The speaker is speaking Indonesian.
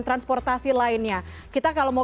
transportasi lainnya kita kalau mau